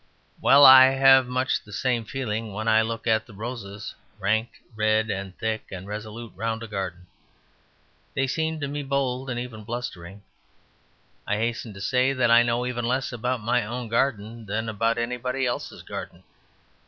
Well, I have much the same feeling when I look at the roses ranked red and thick and resolute round a garden; they seem to me bold and even blustering. I hasten to say that I know even less about my own garden than about anybody else's garden.